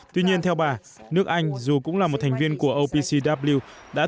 tuy nhiên theo bà nước anh dù cũng là một thành viên của opcw